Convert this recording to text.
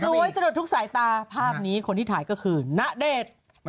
สะดุดทุกสายตาภาพนี้คนที่ถ่ายก็คือณเดชน์